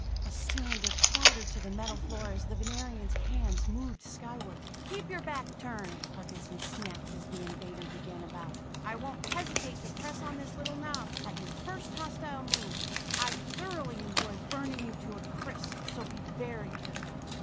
A cylinder clattered to the metal floor as the Venerian's hands moved skyward. "Keep your back turned!" Parkinson snapped as the invader began about. "I won't hesitate to press on this little knob, at your first hostile move! I'd thoroughly enjoy burning you to a crisp, so be very careful."